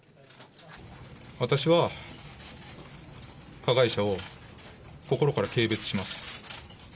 私は加害者を心から軽蔑します。